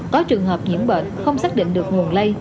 có trường hợp nhiễm bệnh không xác định được nguồn lây